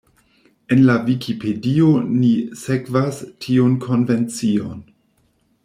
En la Vikipedio ni sekvas tiun konvencion.